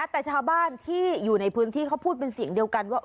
แต่ชาวบ้านที่อยู่ในพื้นที่เขาพูดเป็นเสียงเดียวกันว่า